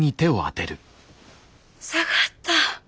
下がった。